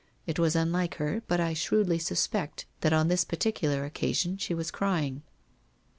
It was unlike her, but I shrewdly suspect that on this particular occasion she was crying.'